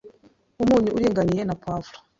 umunyu uringaniye na poivre